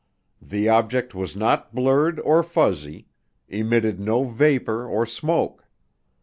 The object was not blurred or fuzzy, emitted no vapor or smoke.